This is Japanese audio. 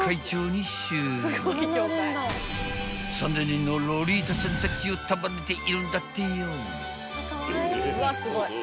［３，０００人のロリータちゃんたちを束ねているんだってよ］